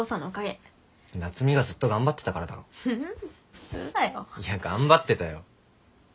普通だよ。いや頑張ってたよ。